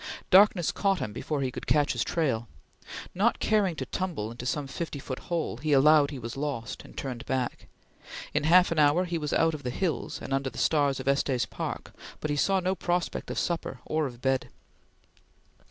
Darkness caught him before he could catch his trail. Not caring to tumble into some fifty foot hole, he "allowed" he was lost, and turned back. In half an hour he was out of the hills, and under the stars of Estes Park, but he saw no prospect of supper or of bed.